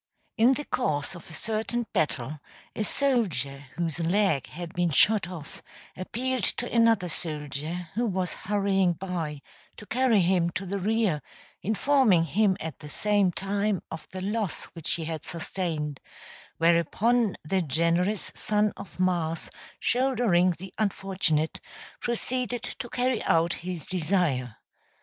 In the course of a certain battle a soldier whose leg had been shot off appealed to another soldier who was hurrying by to carry him to the rear, informing him at the same time of the loss which he had sustained; whereupon the generous son of Mars, shouldering the unfortunate, proceeded to carry out his desire.